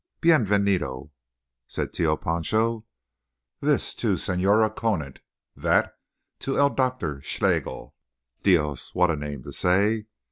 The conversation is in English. "Bien venido," said Tio Pancho. "This to Señora Conant; that to el Doctor S S Schlegel—Dios! what a name to say!